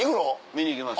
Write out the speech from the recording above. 見に行きます。